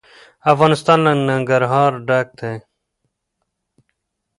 افغانستان له ننګرهار ډک دی.